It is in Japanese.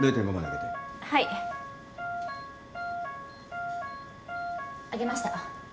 上げました。